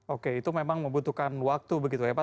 oke itu memang membutuhkan waktu begitu ya pak